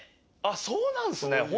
そうなんすね。